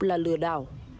là lừa đảo